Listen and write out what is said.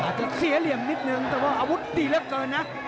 อาจจะเสียเหลี่ยมนิดนึงแต่ว่าอาวุธดีเหลือเกินนะ